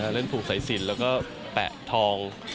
เล่นผูกสายสินแล้วก็แปะทอง